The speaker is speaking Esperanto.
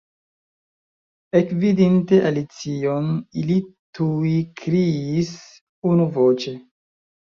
Ekvidinte Alicion, ili tuj kriis unuvoĉe.